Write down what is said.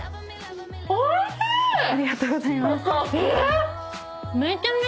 ありがとうございます。